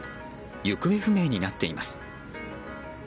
行方不明になっています。